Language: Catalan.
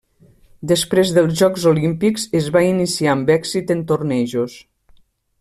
Després dels Jocs Olímpics es va iniciar amb èxit en tornejos.